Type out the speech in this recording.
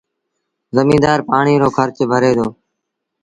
زميݩدآر پآڻي رو کرچ ڀري دو